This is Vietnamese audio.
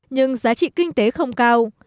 nhưng giá trị kinh tế không cao